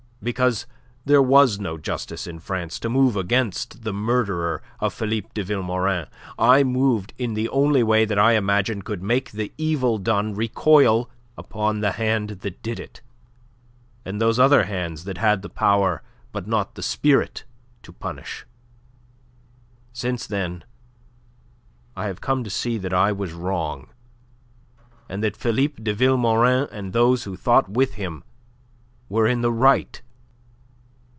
Because there was no justice in France to move against the murderer of Philippe de Vilmorin, I moved in the only way that I imagined could make the evil done recoil upon the hand that did it, and those other hands that had the power but not the spirit to punish. Since then I have come to see that I was wrong, and that Philippe de Vilmorin and those who thought with him were in the right.